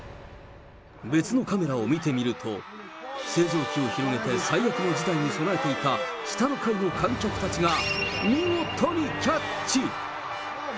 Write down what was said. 別のカメラを見てみると、星条旗を広げて最悪の事態に備えていた下の階の観客たちが見事にキャッチ。